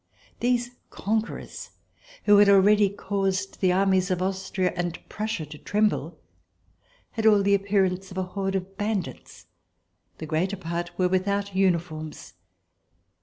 These conquerors, who had al ready caused the armies of Austria and Prussia to tremble, had all the appearance of a horde of bandits. The greater part were without uniforms.